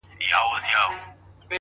اوس عجيبه جهان كي ژوند كومه،